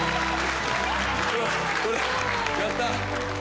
やった！